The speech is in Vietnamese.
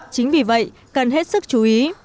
chính vì vậy cần hết sức chú ý